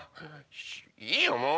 いいよもう！